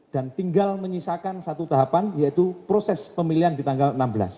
dan tinggal menyisakan satu tahapan yaitu proses pemilihan di tanggal enam belas